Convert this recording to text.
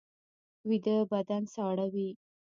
ویده بدن ساړه وي